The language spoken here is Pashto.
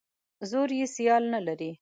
زور یې سیال نه لري.